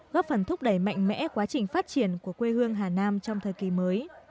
góp phần thúc đẩy mạnh mẽ quá trình phát triển của quê hương hà nam trong thời kỳ mới